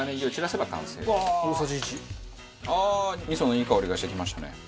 味噌のいい香りがしてきましたね。